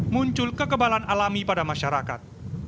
muncul kekebalan alami pada masyarakat